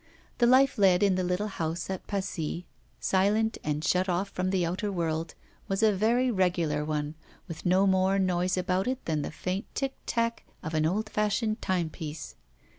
The life led in the little house at Passy, silent and shut off from the outer world, was a very regular one, with no more noise about it than the faint tic tac of an old fashioned timepiece.